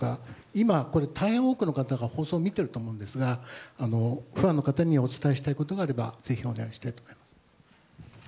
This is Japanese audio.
今、大変多くの方が放送を見ていると思いますがファンの方にお伝えしたいことがあれば、ぜひお願いします。